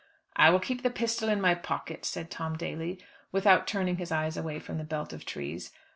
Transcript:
"I will keep the pistol in my pocket," said Tom Daly, without turning his eyes away from the belt of trees.